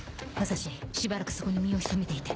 しばらくそこに身を潜めていて。